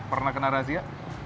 pernah kena razia